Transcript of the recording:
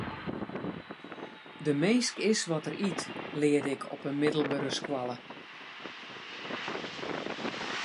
De minske is wat er yt, learde ik op 'e middelbere skoalle.